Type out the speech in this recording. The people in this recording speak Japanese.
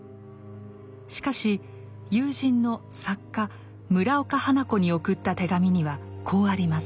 しかし友人の作家村岡花子に送った手紙にはこうあります。